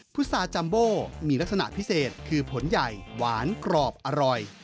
ุซาจัมโบมีลักษณะพิเศษคือผลใหญ่หวานกรอบอร่อย